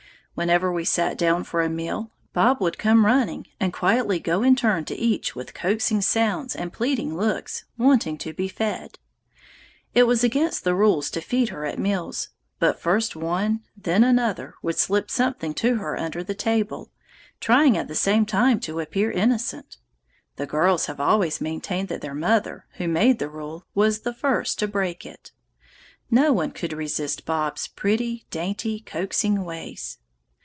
Whenever we sat down for a meal, Bob would come running and quietly go in turn to each with coaxing sounds and pleading looks, wanting to be fed. It was against the rules to feed her at meals, but first one, then another, would slip something to her under the table, trying at the same time to appear innocent. The girls have always maintained that their mother, who made the rule, was the first one to break it. No one could resist Bob's pretty, dainty, coaxing ways.